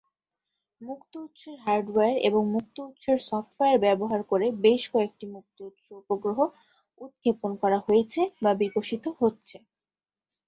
মুক্ত উৎসের হার্ডওয়্যার এবং মুক্ত উৎসের সফ্টওয়্যার ব্যবহার করে বেশ কয়েকটি মুক্ত উৎস উপগ্রহ উৎক্ষেপণ করা হয়েছে বা বিকশিত হচ্ছে।